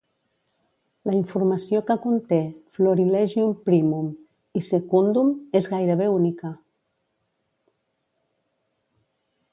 La informació que conté "Florilegium Primum" i "Secundum" és gairebé única.